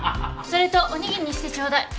それとおにぎりにしてちょうだい。